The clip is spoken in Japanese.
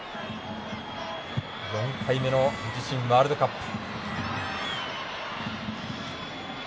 ４回目の自身ワールドカップ。